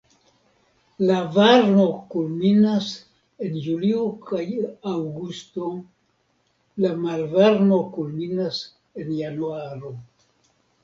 La varmo kulminas en julio kaj aŭgusto, la malvarmo kulminas en januaro.